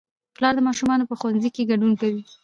پلار د ماشومانو په ښوونځي کې ګډون کوي